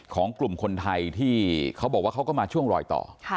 ของกลุ่มคนไทยที่เขาบอกว่าเขาก็มาช่วงรอยต่อ